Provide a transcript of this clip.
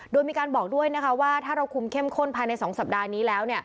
โดยมีการบอกด้วยนะคะว่าถ้าเราคุมเข้มข้นภายใน๒สัปดาห์นี้แล้ว